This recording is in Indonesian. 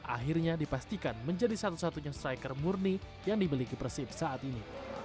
akhirnya dipastikan menjadi satu satunya striker murni yang dibeli ke persib saat ini